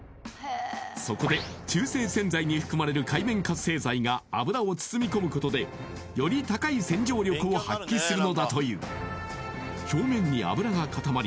そこで中性洗剤に含まれる界面活性剤が油を包み込むことでより高い洗浄力を発揮するのだという表面に油が固まり